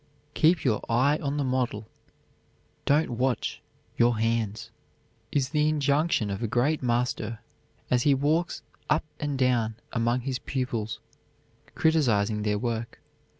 "Keep your eye on the model, don't watch your hands," is the injunction of a great master as he walks up and down among his pupils, criticizing their work.